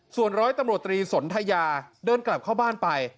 ส่วนร้อยตำรวจตรีสนทยาเดินกลับเข้าบ้านไป